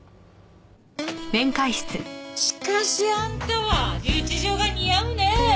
しかしあんたは留置場が似合うねえ。